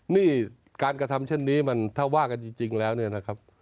นี่การกระทำเช่นนี้มันถ้าว่ากันจริงแล้วเนี่ยนะครับ